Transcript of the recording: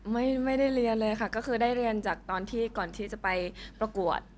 ไม่ได้เรียนเลยค่ะก็คือผมก่อนจะไปประกวด